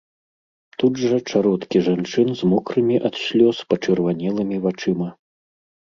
Тут жа чародкі жанчын з мокрымі ад слёз пачырванелымі вачыма.